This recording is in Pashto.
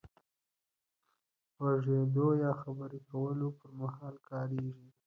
غږېدو يا خبرې کولو پر مهال کارېږي.